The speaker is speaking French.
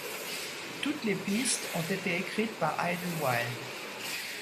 Toutes les pistes ont été écrites par Idlewild.